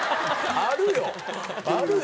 あるよ。